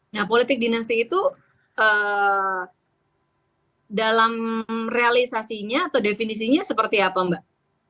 nah politik dinasti itu dalam realisasinya atau definisinya seperti apa mbak